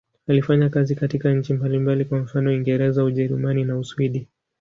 Alifanya kazi katika nchi mbalimbali, kwa mfano Uingereza, Ujerumani na Uswidi.